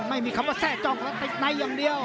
ไม่มีคำว่าแทร่จ้องแล้วติดในอย่างเดียว